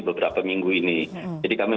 beberapa minggu ini jadi kami